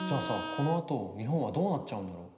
このあと日本はどうなっちゃうんだろう？